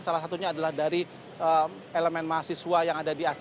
salah satunya adalah dari elemen mahasiswa yang ada di asrama